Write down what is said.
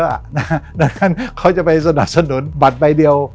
ดังนั้นเขาจะไปสนับสนุนบัตรใบเดียว